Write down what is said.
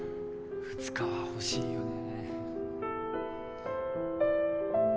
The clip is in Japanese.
２日は欲しいよね。